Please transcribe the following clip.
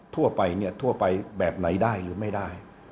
ทั่วไปเนี่ยทั่วไปแบบไหนได้หรือไม่ได้